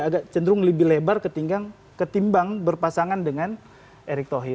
agak cenderung lebih lebar ketimbang berpasangan dengan erik tohir